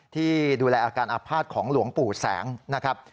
ที่ดูแลอาการอาภาษณ์ของหลวงปู่แสงนะครับ